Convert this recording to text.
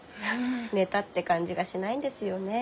寝たって感じがしないんですよね。